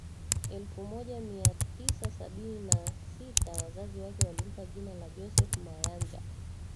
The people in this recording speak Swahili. elfu moja mia tisa sabini na sita wazazi wake walimpa jina la Joseph Mayanja